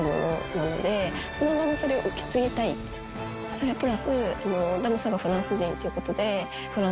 それプラス。